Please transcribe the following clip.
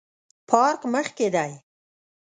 پارک مخ کې دی